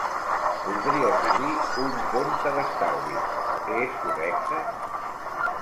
Voldries obrir un compte d'estalvis, és correcte?